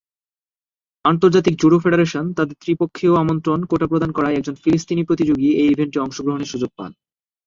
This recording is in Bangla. আন্তর্জাতিক জুডো ফেডারেশন তাদের ত্রিপক্ষীয় আমন্ত্রণ কোটা প্রদান করায় একজন ফিলিস্তিনি প্রতিযোগী এই ইভেন্টে অংশগ্রহণের সুযোগ পান।